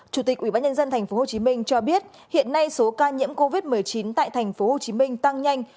chủ tịch ubnd tp hcm cho biết hiện nay số ca nhiễm covid một mươi chín tại tp hcm tăng nhanh